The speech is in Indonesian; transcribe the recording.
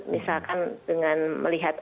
misalkan dengan melihat